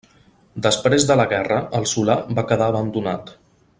Després de la guerra el solar va quedar abandonat.